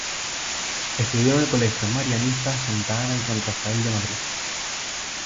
Estudió en el colegio marianista Santa Ana y San Rafael de Madrid.